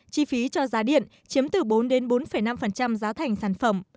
chi phí cho giá điện chiếm từ bốn bốn năm giá thành sản phẩm